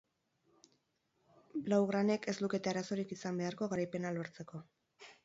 Blaugranek ez lukete arazorik izan beharko garaipena lortzeko.